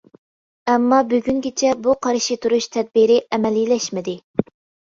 ئەمما بۈگۈنگىچە بۇ قارشى تۇرۇش تەدبىرى ئەمەلىيلەشمىدى.